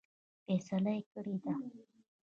فیصله کړې ده.